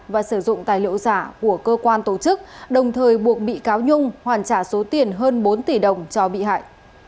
và sử dụng tài liệu giả của cơ quan tổ chức đồng thời buộc bị cáo nhung hoàn trả số tiền hơn bốn tỷ đồng cho bị hại